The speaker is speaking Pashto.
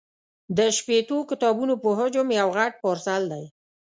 د شپېتو کتابونو په حجم یو غټ پارسل دی.